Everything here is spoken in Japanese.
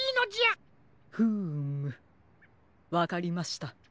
フームわかりました。